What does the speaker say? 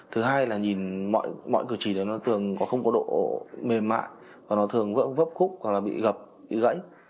thứ hai là nhìn mọi cửa chỉ đó nó thường không có độ mềm mại và nó thường vớp khúc hoặc là bị gập bị gãy